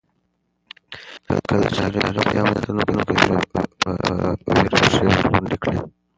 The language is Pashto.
کله چې کاغۍ بیا وکغېده نو هغې په وېره پښې ورغونډې کړې.